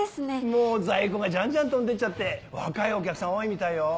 もう在庫がジャンジャン飛んでっちゃって若いお客さん多いみたいよ。